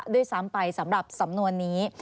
ด้วยซ้ำไปสำหรับสำนวนนี้